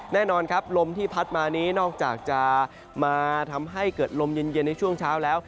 แน่นอนครับลมที่พัดมานี้นอกจากจะมาทำให้เกิดลมเย็นในช่วงเช้าแล้ว